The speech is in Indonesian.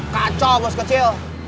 kacau bos kecil